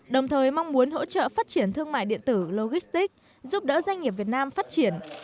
đồng thời mong muốn hỗ trợ phát triển thương mại điện tử logistics giúp đỡ doanh nghiệp việt nam phát triển